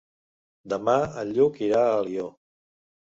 Demà en Lluc irà a Alió.